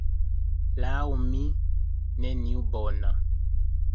Laŭ mi, nenio bona.